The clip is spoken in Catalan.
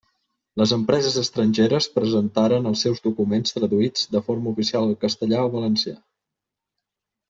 Les empreses estrangeres presentaren els seus documents traduïts de forma oficial al castellà o valencià.